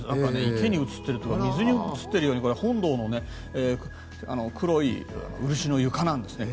池に映っているというか水に映っているような本堂の黒い漆の床なんですね。